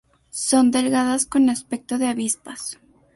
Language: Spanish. Son delgadas con aspecto de avispas.